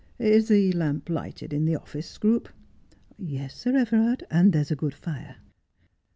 Is the lamp lighted in the office, Scroope 1 '' Yes, Sir Everard, and there's a good fire.'